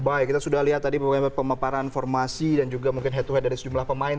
baik kita sudah lihat tadi pemaparan formasi dan juga mungkin head to head dari sejumlah pemain